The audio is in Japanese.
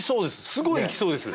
すごい行きそうです